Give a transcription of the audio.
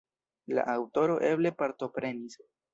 La aŭtoro eble partoprenis.